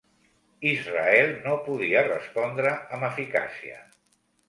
Israel no podia respondre amb eficàcia.